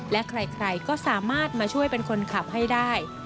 และใครก็สามารถมาช่วยเป็นคนขับให้ได้